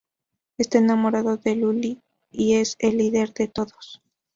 Está enamorado de Luli y es el líder de todos.